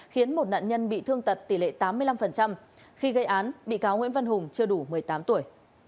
khiến một nạn nhân bị thương tật tỷ lệ tám mươi năm khi gây án bị cáo nguyễn văn hùng chưa đủ một mươi tám tuổi